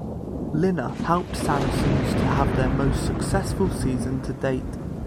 Lynagh helped Saracens to have their most successful season to date.